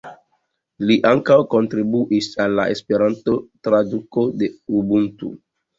Li ankaŭ kontribuis al la Esperanto-traduko de Ubuntu.